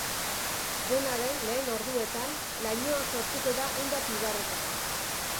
Dena den, lehen orduetan, lainoa sortuko da hainbat ibarretan.